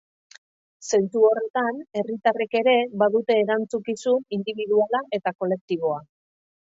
Zentzu horretan, herritarrek ere badute erantzukizun indibiduala eta kolektiboa.